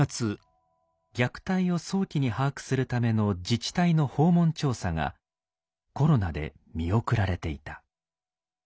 虐待を早期に把握するための自治体の訪問調査がコロナで見送られていた。